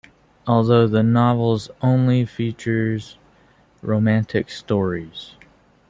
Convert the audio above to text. Although the novels only features romantic stories.